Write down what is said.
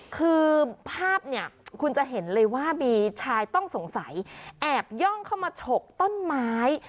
คือภาพเนี่ยคุณจะเห็นเลยว่ามีชายต้องสงสัยแอบย่องเข้ามาฉกต้นไม้